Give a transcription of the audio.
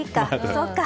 そうか。